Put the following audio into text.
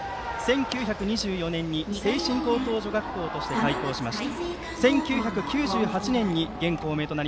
１９２４年に誠心高等女学校として開校しました。